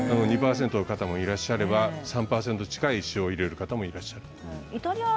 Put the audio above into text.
２％の方もいらっしゃれば３％近い塩を入れる方もいらっしゃいます。